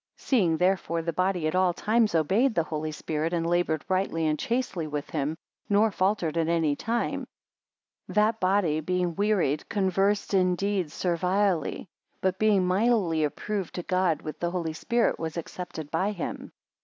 55 Seeing therefore the body at all times obeyed the Holy Spirit, and laboured rightly and chastely with him, nor faltered at anytime; that body being wearied conversed indeed servilely, but being mightily approved to God with the Holy Spirit, was accepted by him.